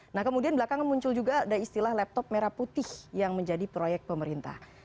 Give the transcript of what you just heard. nah kemudian belakangan muncul juga ada istilah laptop merah putih yang menjadi proyek pemerintah